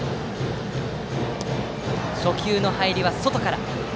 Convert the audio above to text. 初球の入りは外から。